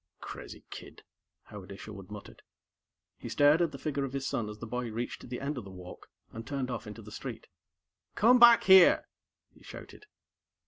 "Crazy kid," Howard Isherwood muttered. He stared at the figure of his son as the boy reached the end of the walk and turned off into the street. "Come back here!" he shouted.